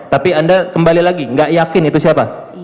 tapi anda kembali lagi nggak yakin itu siapa